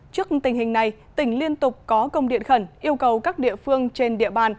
trước tình hình này tỉnh liên tục có công điện khẩn yêu cầu các địa phương trên địa bàn